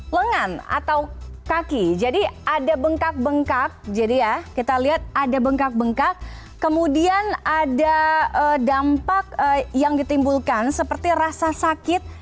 lengan atau kaki jadi ada bengkak bengkak jadi ya kita lihat ada bengkak bengkak kemudian ada dampak yang ditimbulkan seperti rasa sakit